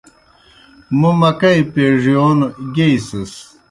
موْ مکئی پیڙِیون گیئی سِس۔